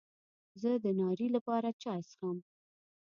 زه د ناري لپاره چای څښم.